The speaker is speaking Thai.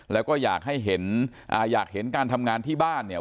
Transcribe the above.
แล้วก็อยากให้เห็นอยากเห็นการทำงานที่บ้านเนี่ย